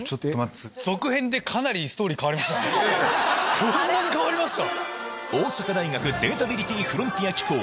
こんなに変わりますか⁉